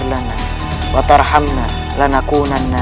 men merkel hiberedahnya